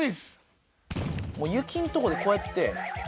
雪のとこでこうやって。